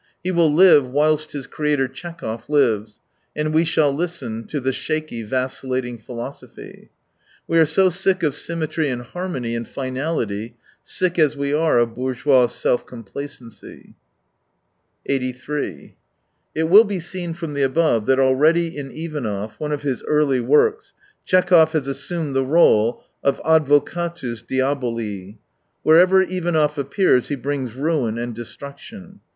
He will live whilst his creator, Tchekhov, lives. And we shall listen to the shaky, vacillating philosophy. We are so sick of symmetry and harmony and finality, sick as we are of bourgeois self complacency. It will be seen from the above that already in Ivanov, one of his early works, Tchekhov has assumed the r61e of advocatus diaboli. Wherever Ivanov appears he brings ruin and destruction.